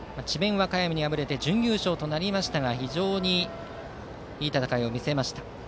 和歌山に敗れて準優勝となりましたが非常にいい戦いを見せました。